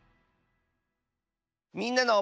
「みんなの」。